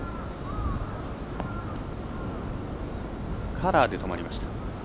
カラーで止まりました。